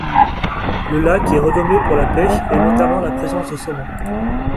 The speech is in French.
Le lac est renommé pour la pêche et notamment la présence de saumon.